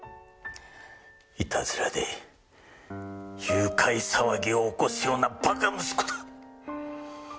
悪戯で誘拐騒ぎを起こすような馬鹿息子だ。